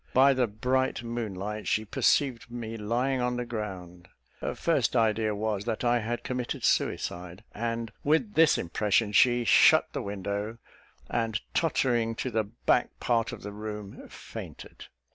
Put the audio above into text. By the bright moon light, she perceived me lying on the ground. Her first idea was, that I had committed suicide; and, with this impression, she shut the window, and tottering to the back part of the room, fainted.